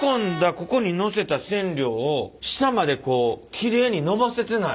ここにのせた染料を下までこうきれいにのばせてない。